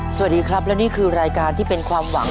สวัสดีครับและนี่คือรายการที่เป็นความหวัง